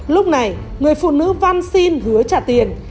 lúc này người phụ nữ văn xin hứa trả tiền